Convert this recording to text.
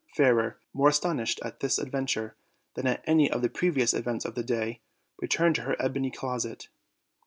Fairer, more astonished at this adventure than at any of the previous events of the day, returned to her ebony closet.